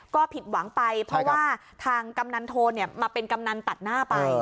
ก็ผิดหวังไปเพราะว่าทางกำนันโทมาเป็นกำนันตัดหน้าไป